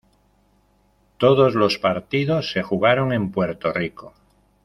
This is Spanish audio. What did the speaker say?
Todos los partidos se jugaron en Puerto Rico.